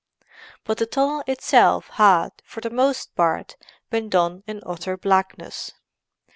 But the tunnel itself had, for the most part, been done in utter blackness.